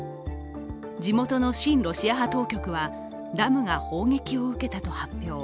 地元の親ロシア派当局はダムが砲撃を受けたと発表。